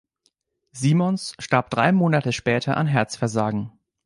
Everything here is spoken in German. Simons starb drei Monate später an Herzversagen.